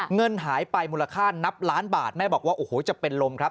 เงินหายไปมูลค่านับล้านบาทแม่บอกว่าโอ้โหจะเป็นลมครับ